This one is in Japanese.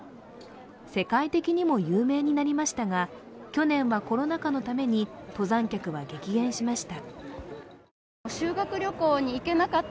世界的にも有名になりましたが去年はコロナ禍のために登山客は激減しました。